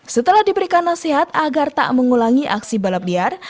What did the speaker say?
setelah diberikan nasihat agar tak mengulangi aksi balap liar